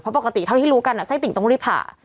เพราะปกติเท่าที่รู้กันไส้ติ่งต้องรีบผ่า